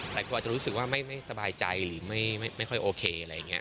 แต่กลัวจะรู้สึกว่าไม่สบายใจหรือไม่ค่อยโอเคอะไรอย่างนี้